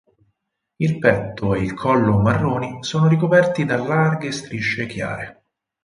Il petto e il collo marroni sono ricoperti da larghe strisce chiare.